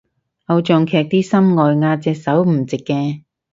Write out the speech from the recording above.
偶像劇啲心外壓隻手唔直嘅